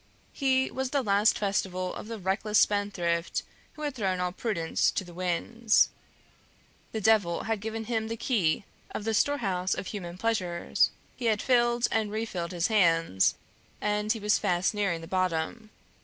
He was the last festival of the reckless spendthrift who has thrown all prudence to the winds. The devil had given him the key of the storehouse of human pleasures; he had filled and refilled his hands, and he was fast nearing the bottom.